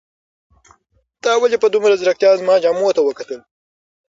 تا ولې په دومره ځیرکتیا زما جامو ته وکتل؟